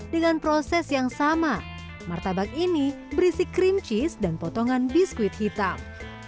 dengan proses yang sama martabak ini berisi cream cheese dan potongan biskuit hitam tidak melulu dilipat mirip seperti pilihan adonan